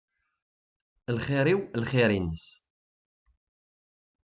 Lxir-iw, lxir-ines.